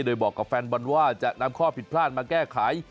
โดยบอกกับแฟนบอลว่าจะนำข้อผิดพลาดมาแก้ไข